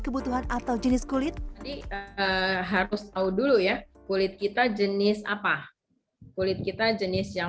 kebutuhan atau jenis kulit tadi harus tahu dulu ya kulit kita jenis apa kulit kita jenis yang